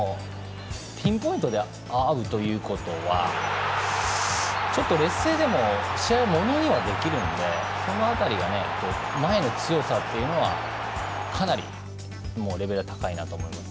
ピンポイントで合うということは劣勢でも試合をものにはできるんでその辺りが前の強さっていうのはかなりレベルが高いなと思います。